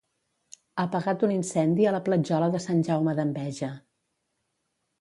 Apagat un incendi a la Platjola de Sant Jaume d'Enveja.